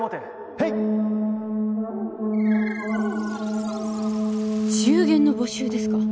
へい中間の募集ですか？